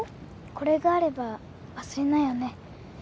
これがあれば忘れないよね？